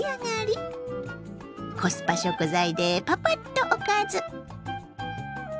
コスパ食材でパパッとおかず。